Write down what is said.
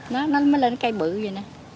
nó mới lên cây bự vậy nè